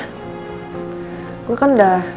gue kan udah gak ada hubungan apa apa lagi sama dia